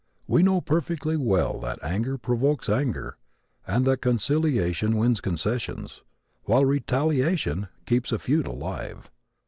We know perfectly well that anger provokes anger and that conciliation wins concessions, while retaliation keeps a feud alive.